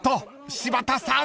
柴田さん］